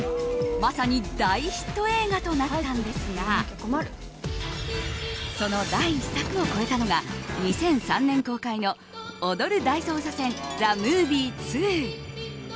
まさに大ヒット映画となったんですがその第１作を超えたのが２００３年公開の「踊る大捜査線ＴＨＥＭＯＶＩＥ２」。